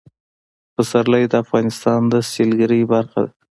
پسرلی د افغانستان د سیلګرۍ برخه ده.